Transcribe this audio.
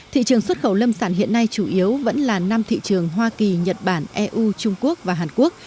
thị trường xuất khẩu lâm sản hiện nay chủ yếu vẫn là năm thị trường hoa kỳ nhật bản eu trung quốc và hàn quốc